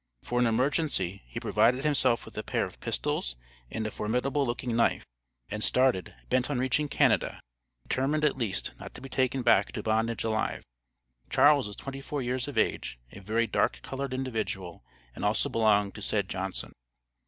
For an emergency, he provided himself with a pair of pistols and a formidable looking knife, and started, bent on reaching Canada; determined at least, not to be taken back to bondage alive. Charles was twenty four years of age, a very dark colored individual, and also belonged to said Johnson.